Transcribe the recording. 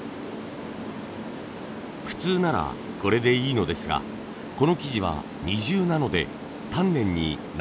普通ならこれでいいのですがこの生地は２重なので丹念に直していきます。